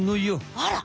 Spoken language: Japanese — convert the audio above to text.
あら！